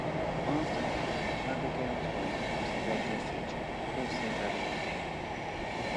After her Abigail Toyne was the regular feature, also very popular.